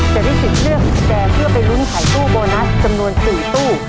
จะได้สิทธิ์เลือกกุญแจเพื่อไปลุ้นขายตู้โบนัสจำนวน๔ตู้